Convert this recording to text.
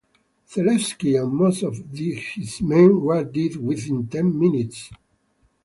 Zelewski and most of his men were dead within ten minutes.